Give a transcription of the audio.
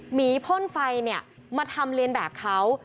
หมีพ่นไฟเนี่ยมาทำเลนแบบเขา